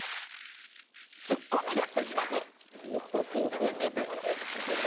自分で言うと面白いね。